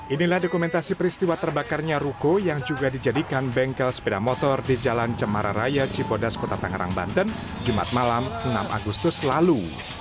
inilah dokumentasi peristiwa terbakarnya ruko yang juga dijadikan bengkel sepeda motor di jalan cemara raya cipodas kota tangerang banten jumat malam enam agustus lalu